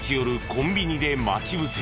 コンビニで待ち伏せ。